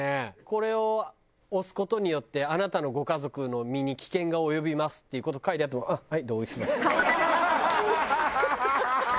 「これを押す事によってあなたのご家族の身に危険がおよびます」っていう事が書いてあっても「あっはい。同意します」。